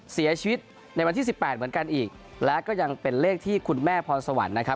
เสียชีวิตในวันที่สิบแปดเหมือนกันอีกและก็ยังเป็นเลขที่คุณแม่พรสวรรค์นะครับ